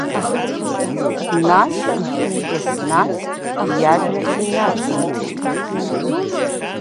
Нас Еснаҭ иажәа инациҵеит…